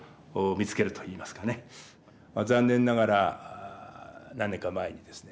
残念ながら何年か前にですね